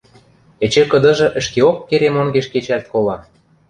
Эче кыдыжы ӹшкеок керем онгеш кечӓлт кола...